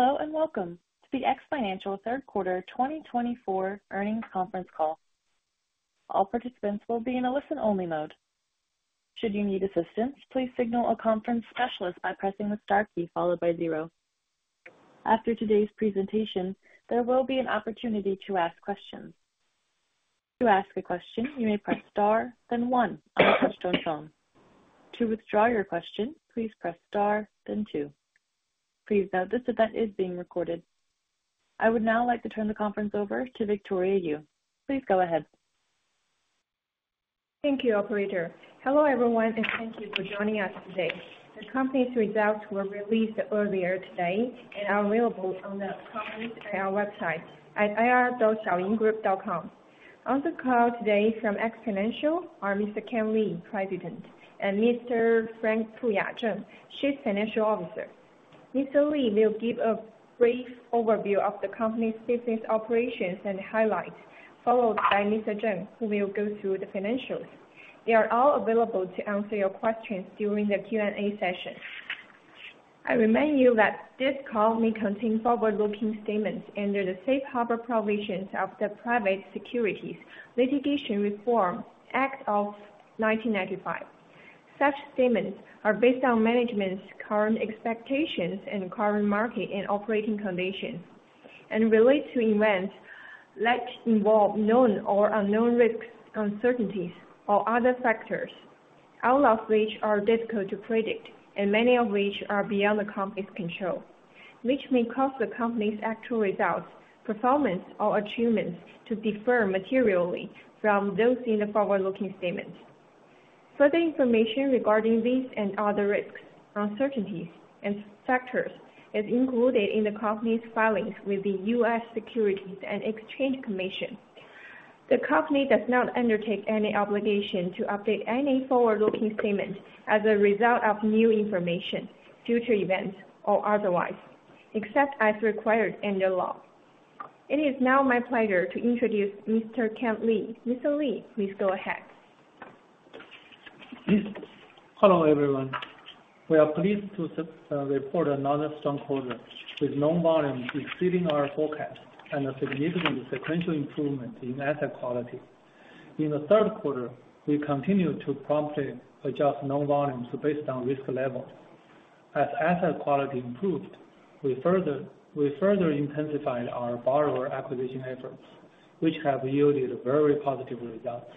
Hello, and welcome to the X Financial Third Quarter 2024 Earnings Conference Call. All participants will be in a listen-only mode. Should you need assistance, please signal a conference specialist by pressing the star key followed by zero. After today's presentation, there will be an opportunity to ask questions. To ask a question, you may press star, then one, on a touch-tone phone. To withdraw your question, please press star, then two. Please note this event is being recorded. I would now like to turn the conference over to Victoria Yu. Please go ahead. Thank you, Operator. Hello, everyone, and thank you for joining us today. The company's results were released earlier today and are available on our website at ir.xfinancial.com. On the call today from X Financial are Mr. Kan Li, President, and Mr. Frank Fuya Zheng, Chief Financial Officer. Mr. Li will give a brief overview of the company's business operations and highlights, followed by Mr. Zheng, who will go through the financials. They are all available to answer your questions during the Q&A session. I remind you that this call may contain forward-looking statements under the Safe Harbor Provisions of the Private Securities Litigation Reform Act of 1995. Such statements are based on management's current expectations and current market and operating conditions, and relate to events that involve known or unknown risks, uncertainties, or other factors, all of which are difficult to predict, and many of which are beyond the company's control, which may cause the company's actual results, performance, or achievements to differ materially from those in the forward-looking statements. Further information regarding these and other risks, uncertainties, and factors is included in the company's filings with the U.S. Securities and Exchange Commission. The company does not undertake any obligation to update any forward-looking statement as a result of new information, future events, or otherwise, except as required under law. It is now my pleasure to introduce Mr. Kan Li. Mr. Li, please go ahead. Hello, everyone. We are pleased to report another strong quarter with known volumes exceeding our forecast and a significant sequential improvement in asset quality. In the third quarter, we continued to promptly adjust known volumes based on risk levels. As asset quality improved, we further intensified our borrower acquisition efforts, which have yielded very positive results.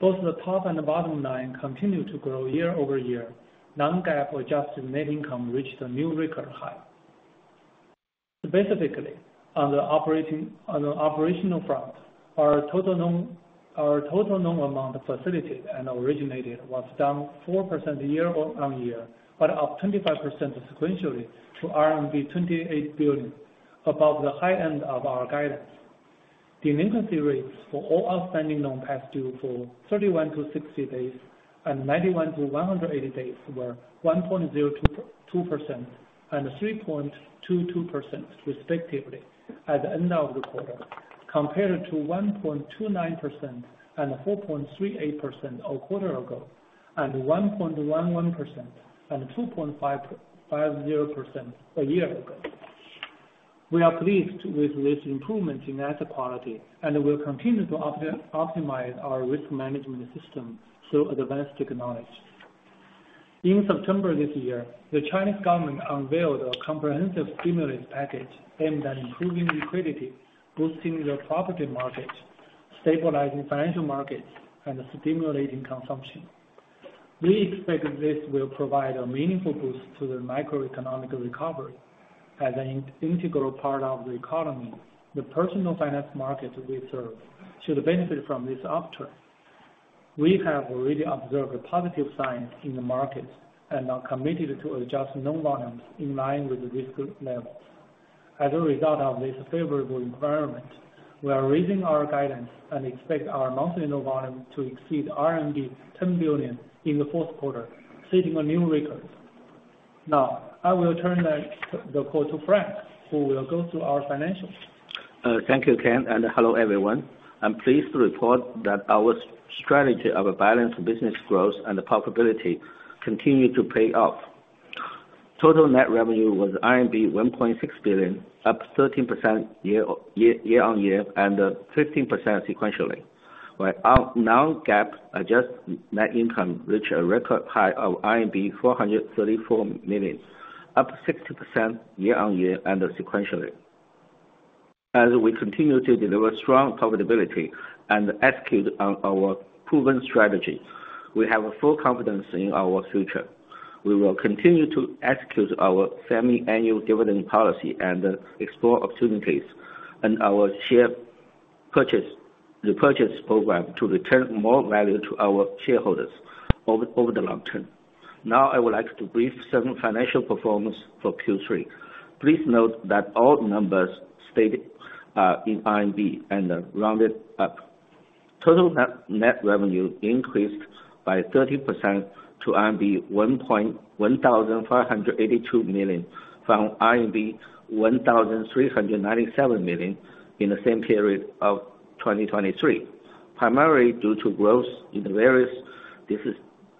Both the top and the bottom line continue to grow year-over-year. Non-GAAP adjusted net income reached a new record high. Specifically, on the operational front, our total normal amount facilitated and originated was down 4% year-on-year, but up 25% sequentially to RMB 28 billion, above the high end of our guidance. Delinquency rates for all outstanding loans past due for 31-60 days and 91-180 days were 1.02% and 3.22%, respectively, at the end of the quarter, compared to 1.29% and 4.38% a quarter ago, and 1.11% and 2.50% a year ago. We are pleased with this improvement in asset quality, and we'll continue to optimize our risk management system through advanced technology. In September this year, the Chinese government unveiled a comprehensive stimulus package aimed at improving liquidity, boosting the property market, stabilizing financial markets, and stimulating consumption. We expect this will provide a meaningful boost to the macroeconomic recovery. As an integral part of the economy, the personal finance market we serve should benefit from this upturn. We have already observed positive signs in the markets and are committed to adjusting loan volumes in line with risk levels. As a result of this favorable environment, we are raising our guidance and expect our monthly known volume to exceed RMB 10 billion in the fourth quarter, setting a new record. Now, I will turn the call to Frank, who will go through our financials. Thank you, Kan, and hello, everyone. I'm pleased to report that our strategy of a balanced business growth and the profitability continue to pay off. Total net revenue was RMB 1.6 billion, up 13% year on year and 15% sequentially. Our non-GAAP adjusted net income reached a record high of RMB 434 million, up 60% year-on-year and sequentially. As we continue to deliver strong profitability and execute on our proven strategy, we have full confidence in our future. We will continue to execute our semi-annual dividend policy and explore opportunities in our share purchase program to return more value to our shareholders over the long term. Now, I would like to brief some financial performance for Q3. Please note that all numbers stated in RMB and rounded up. Total net revenue increased by 30% to RMB 1,582 million from RMB 1,397 million in the same period of 2023, primarily due to growth in the various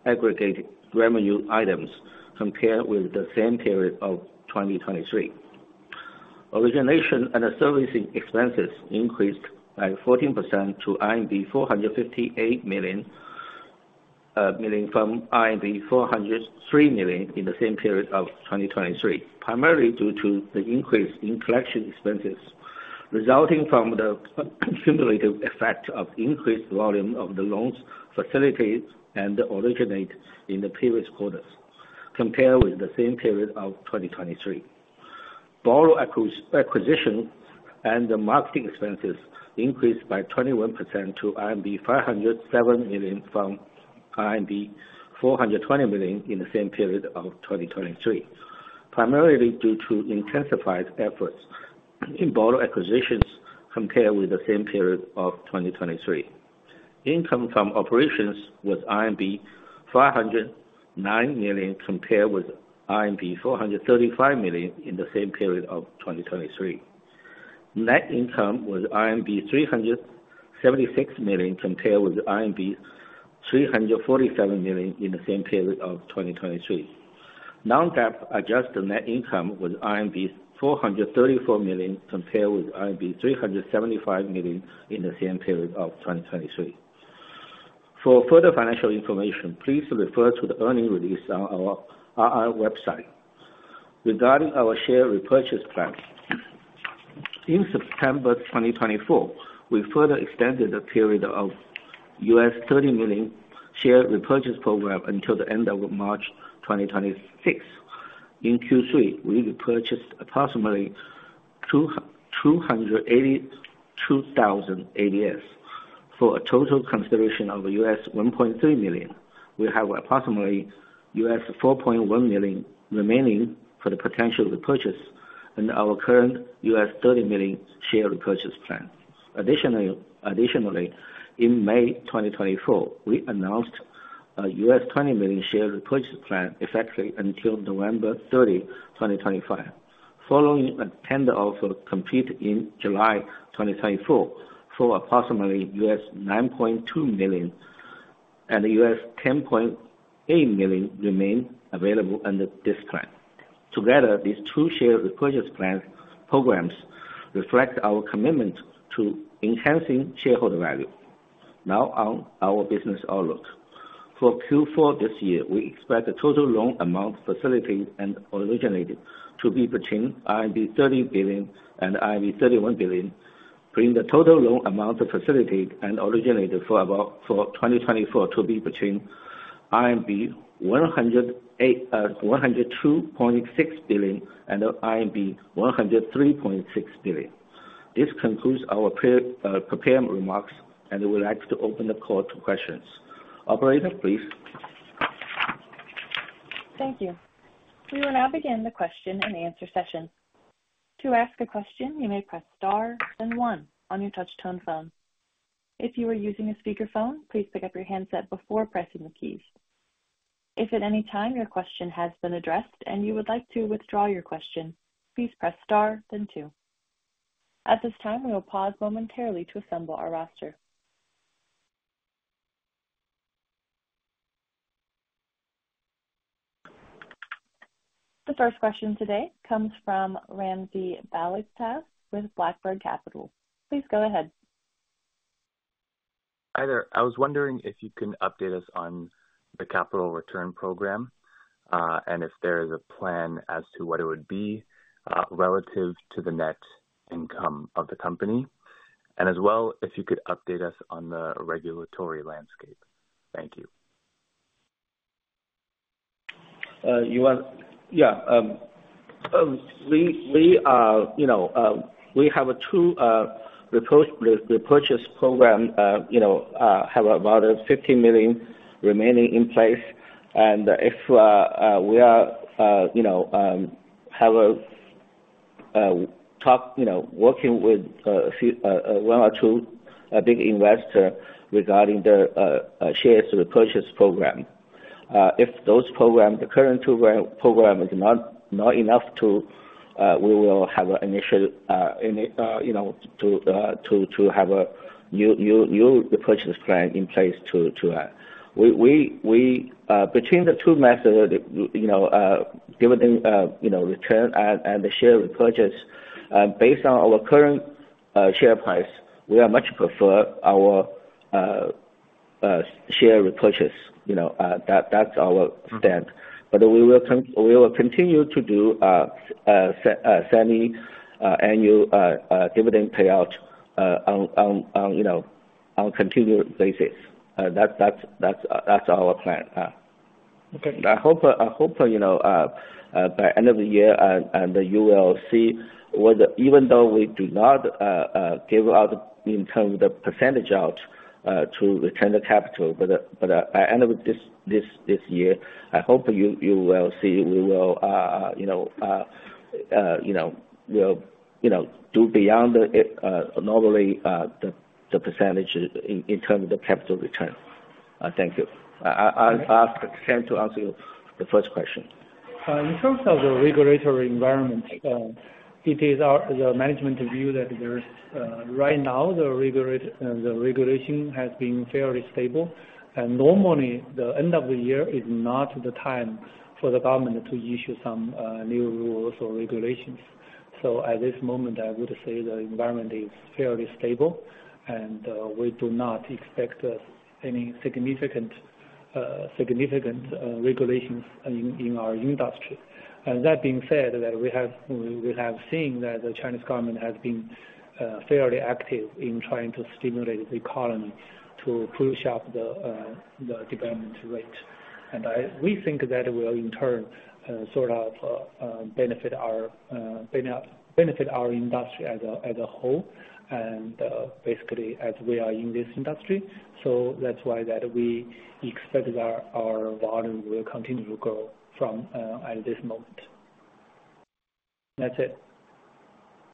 disaggregated revenue items compared with the same period of 2023. Origination and servicing expenses increased by 14% to RMB 458 million from RMB 403 million in the same period of 2023, primarily due to the increase in collection expenses resulting from the cumulative effect of increased volume of the loans facilitated and originated in the previous quarters compared with the same period of 2023. Borrower acquisition and marketing expenses increased by 21% to RMB 507 million from RMB 420 million in the same period of 2023, primarily due to intensified efforts in borrower acquisitions compared with the same period of 2023. Income from operations was RMB 509 million compared with RMB 435 million in the same period of 2023. Net income was RMB 376 million compared with RMB 347 million in the same period of 2023. Non-GAAP adjusted net income was RMB 434 million compared with RMB 375 million in the same period of 2023. For further financial information, please refer to the earnings release on our website. Regarding our share repurchase plan, in September 2024, we further extended the period of $30 million share repurchase program until the end of March 2026. In Q3, we repurchased approximately 282,000 ADS for a total consideration of $1.3 million. We have approximately $4.1 million remaining for the potential repurchase and our current $30 million share repurchase plan. Additionally, in May 2024, we announced a $20 million share repurchase plan effective until November 30, 2025, following a tender offer completed in July 2024 for approximately $9.2 million and $10.8 million remaining available under this plan. Together, these two share repurchase programs reflect our commitment to enhancing shareholder value. Now, on our business outlook. For Q4 this year, we expect the total loan amount facilitated and originated to be between RMB 30 billion and 31 billion, bringing the total loan amount facilitated and originated for 2024 to be between 102.6 billion and RMB 103.6 billion. This concludes our prepared remarks, and we'd like to open the call to questions. Operator, please. Thank you. We will now begin the question and answer session. To ask a question, you may press star then one on your touch-tone phone. If you are using a speakerphone, please pick up your handset before pressing the keys. If at any time your question has been addressed and you would like to withdraw your question, please press star then two. At this time, we will pause momentarily to assemble our roster. The first question today comes from Ramsey [Ballastava] with Blackbird Capital. Please go ahead. Hi there. I was wondering if you can update us on the capital return program and if there is a plan as to what it would be relative to the net income of the company, and as well if you could update us on the regulatory landscape. Thank you. Yeah. We have a share repurchase program with about 15 million remaining in place, and we are in talks with one or two big investors regarding the share repurchase program. If those talks, the current program is not enough, we will have an additional repurchase plan in place too. Between the two methods, dividend return and the share repurchase, based on our current share price, we much prefer our share repurchase. That's our stand. But we will continue to do semi-annual dividend payout on a continued basis. That's our plan. I hope by end of the year, and you will see whether even though we do not give out in terms of the percentage out to return the capital, but by end of this year, I hope you will see we will do beyond normally the percentage in terms of the capital return. Thank you. I'll attempt to answer the first question. In terms of the regulatory environment, it is the management view that there is right now the regulation has been fairly stable. And normally, the end of the year is not the time for the government to issue some new rules or regulations. So at this moment, I would say the environment is fairly stable, and we do not expect any significant regulations in our industry. And that being said, we have seen that the Chinese government has been fairly active in trying to stimulate the economy to push up the development rate. And we think that will in turn sort of benefit our industry as a whole and basically as we are in this industry. So that's why that we expect our volume will continue to grow from at this moment. That's it.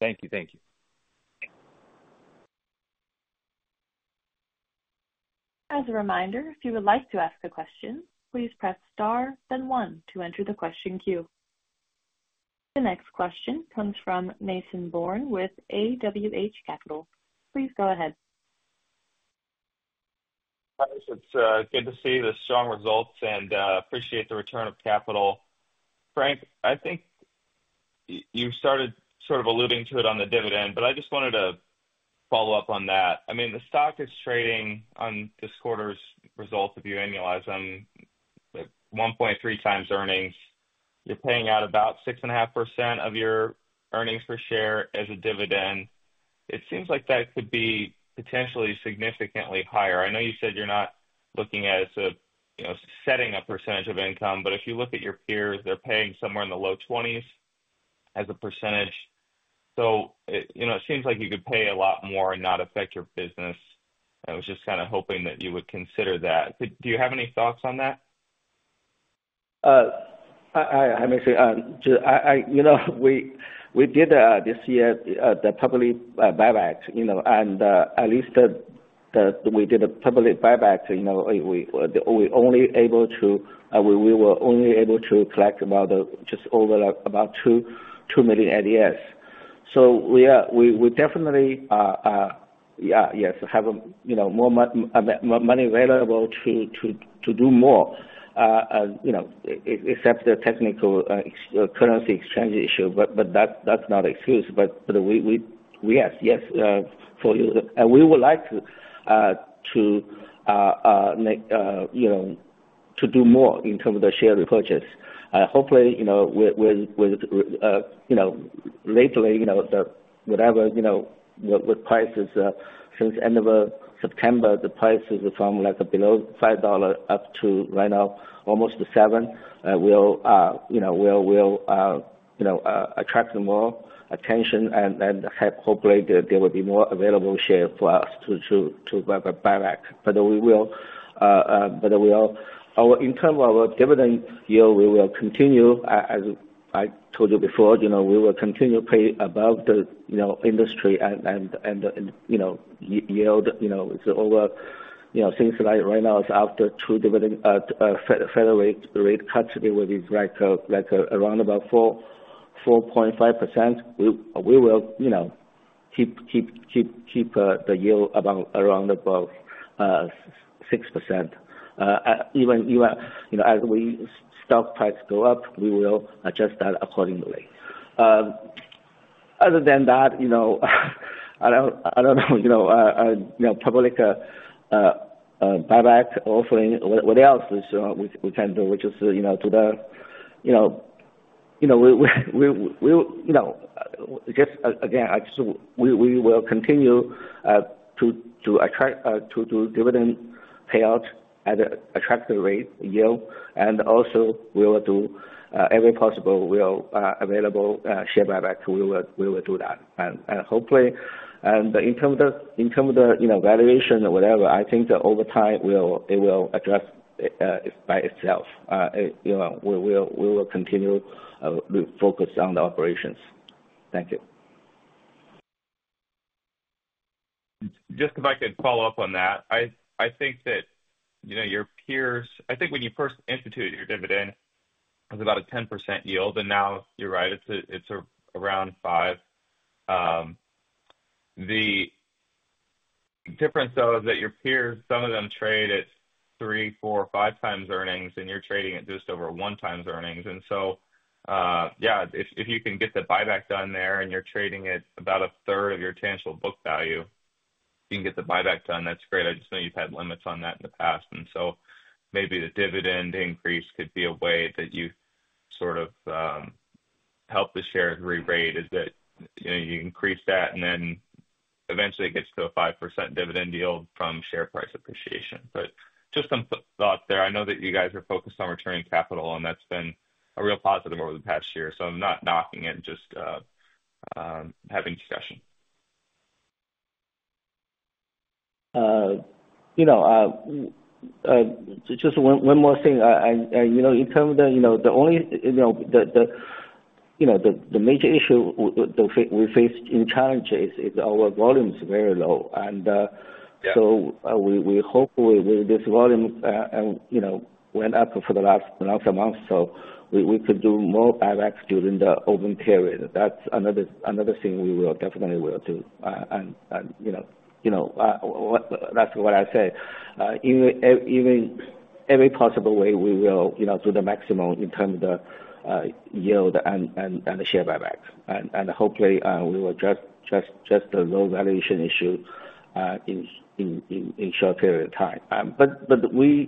Thank you. Thank you. As a reminder, if you would like to ask a question, please press star then one to enter the question queue. The next question comes from Mason Bourne with AWH Capital. Please go ahead. Hi. It's good to see the strong results and appreciate the return of capital. Frank, I think you started sort of alluding to it on the dividend, but I just wanted to follow up on that. I mean, the stock is trading on this quarter's results if you annualize them at 1.3x earnings. You're paying out about 6.5% of your earnings per share as a dividend. It seems like that could be potentially significantly higher. I know you said you're not looking at setting a percentage of income, but if you look at your peers, they're paying somewhere in the low 20s as a percentage. So it seems like you could pay a lot more and not affect your business. I was just kind of hoping that you would consider that. Do you have any thoughts on that? Hi, Mason. We did this year the public buyback, and at least we did a public buyback. We were only able to collect about just over about 2 million ADS. So we definitely, yes, have more money available to do more, except the technical currency exchange issue, but that's not an excuse. But yes, yes, for you. We would like to do more in terms of the share repurchase. Hopefully, with lately, whatever with prices since end of September, the prices from below $5 up to right now almost $7, we will attract more attention and hopefully there will be more available share for us to buy back. But we will, in terms of our dividend yield, we will continue, as I told you before, we will continue to pay above the industry and yield over things like right now is after two federal rate cuts, it will be like around about 4.5%. We will keep the yield around about 6%. Even as we stock price go up, we will adjust that accordingly. Other than that, I don't know public buyback offering, what else we can do, which is to the just again, we will continue to attract to do dividend payout at an attractive rate yield. And also, we will do every possible available share buyback. We will do that. And hopefully, and in terms of the valuation or whatever, I think over time it will address by itself. We will continue to focus on the operations. Thank you. Just, if I could follow up on that, I think that your peers, I think when you first instituted your dividend, it was about a 10% yield, and now you're right, it's around 5%. The difference, though, is that your peers, some of them trade at three, four, five times earnings, and you're trading at just over one times earnings. And so, yeah, if you can get the buyback done there and you're trading at about a third of your tangible book value, you can get the buyback done, that's great. I just know you've had limits on that in the past. And so maybe the dividend increase could be a way that you sort of help the shares re-rate, is that you increase that and then eventually it gets to a 5% dividend yield from share price appreciation. But just some thoughts there. I know that you guys are focused on returning capital, and that's been a real positive over the past year. So I'm not knocking it, just having discussion. Just one more thing. In terms of the only major issue we faced, the challenge is our volume very low. And so we hope this volume went up for the last month, so we could do more buybacks during the open period. That's another thing we will definitely do. And that's what I say. In every possible way, we will do the maximum in terms of the yield and the share buyback. And hopefully, we will address just the low valuation issue in a short period of time. But we.